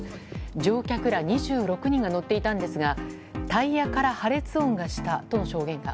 乗客ら２６人が乗っていたんですがタイヤから破裂音がしたとの証言が。